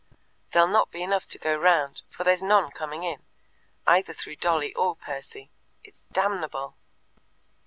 There'll not be enough to go round, for there's none coming in, either through Dolly or Percy. It's damnable!"